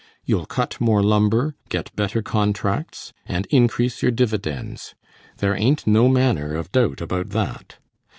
You'll cut more lumber, get better contracts, and increase your dividends. There ain't no manner of doubt about that.